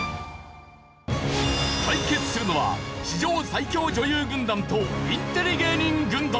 対決するのは史上最強女優軍団とインテリ芸人軍団。